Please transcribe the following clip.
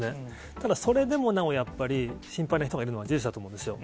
ただそれでもなおやっぱり、心配な人がいるのは事実だと思うんですよ。